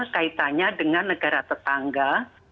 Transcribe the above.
kaitannya dengan negara tetangga